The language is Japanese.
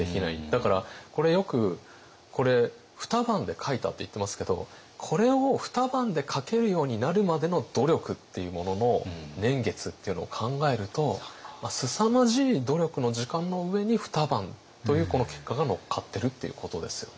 だからこれよく「二晩で描いた」っていってますけどこれを二晩で描けるようになるまでの努力っていうものの年月っていうのを考えるとすさまじい努力の時間の上に二晩というこの結果が乗っかってるっていうことですよね。